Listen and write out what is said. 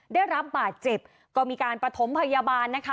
ได้รับบาดเจ็บก็มีการประถมพยาบาลนะคะ